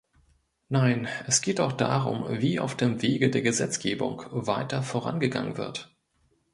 Nein, es geht auch darum, wie auf dem Wege der Gesetzgebung weiter vorangegangen wird.